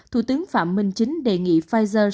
thủ tướng phạm minh chính đề nghị pfizer